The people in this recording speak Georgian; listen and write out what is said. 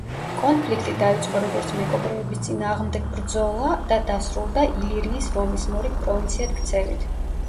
კონფლიქტი დაიწყო როგორც მეკობრეების წინააღმდეგ ბრძოლა და დასრულდა ილირიის რომის მორიგ პროვინციად ქცევით.